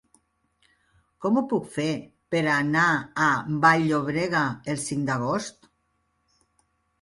Com ho puc fer per anar a Vall-llobrega el cinc d'agost?